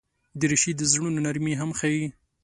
دریشي د زړونو نرمي هم ښيي.